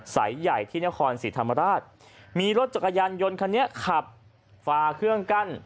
สายใหญ่ที่นครศรีธรรมราชมีรถจักรยานยนต์คันนี้ขับฝาเครื่องกั้น